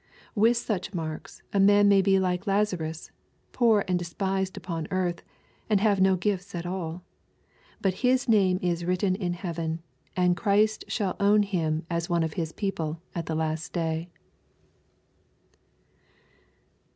With such marks, a man may be like Lazarus, poor and despised upon earth, and have no gifts at all. But his name is written in heaven, and Christ shall own him as one of His people at the last day.